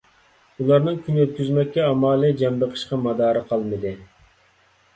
ئۇلارنىڭ كۈن ئۆتكۈزمەككە ئامالى، جان بېقىشقا مادارى قالمىدى.